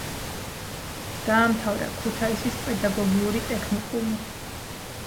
დაამთავრა ქუთაისის პედაგოგიური ტექნიკუმი.